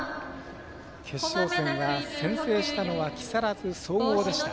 決勝戦は先制したのは木更津総合でした。